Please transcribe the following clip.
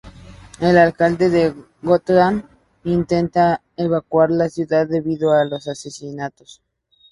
El alcalde de Gotham intenta evacuar la ciudad debido a los asesinatos.